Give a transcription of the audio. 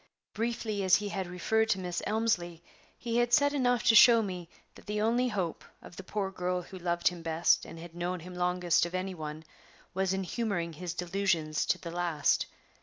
Briefly as he had referred to Miss Elmslie, he had said enough to show me that the only hope of the poor girl who loved him best and had known him longest of any one was in humoring his delusions to the last.